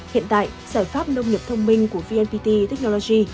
hiện tại giải pháp nông nghiệp thông minh của vnpt technology